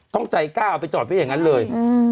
ใจกล้าเอาไปจอดไว้อย่างนั้นเลย